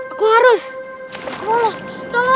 aku harus melawan ketakutanku